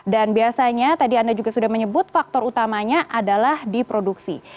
dan biasanya tadi anda juga sudah menyebut faktor utamanya adalah di produksi